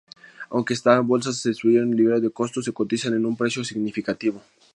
Aunque estas bolsas se distribuyeron libre de costo, se cotizan a un precio significativo.